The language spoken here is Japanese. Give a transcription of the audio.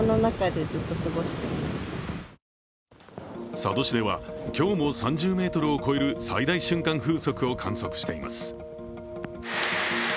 佐渡市では今日も３０メートルを超える最大瞬間風速を観測しています。